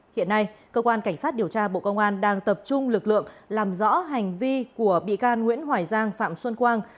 hiện nay cơ quan cảnh sát điều tra bộ công an đang tập trung lực lượng làm rõ hành vi của bị can nguyễn hoài giang phạm xuân quang